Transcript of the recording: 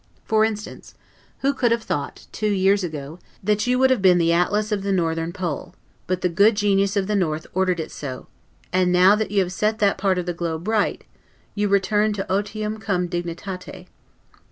For instance, who could have thought, two years ago, that you would have been the Atlas of the Northern Pole; but the Good Genius of the North ordered it so; and now that you have set that part of the globe right, you return to 'otium cum dignitate'.